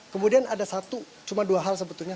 kemudian ada satu cuma dua hal sebetulnya